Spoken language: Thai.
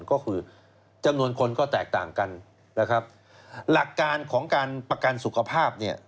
ก็คือจำนวนคนก็แตกต่างกันนะครับหลักการของการประกันสุขภาพเนี่ย